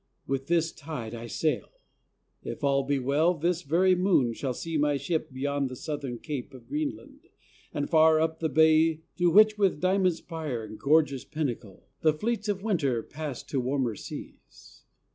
With this tide I sail; if all be well, this very moon Shall see my ship beyond the southern cape Of Greenland, and far up the bay through which, With diamond spire and gorgeous pinnacle, The fleets of winter pass to warmer seas.